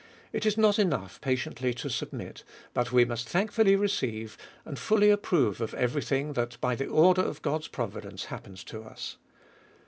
It is not enough patiently to submit, but we must thankfully receive and fully ap prove of every thing that, by the order of God's provi dence, happens to us.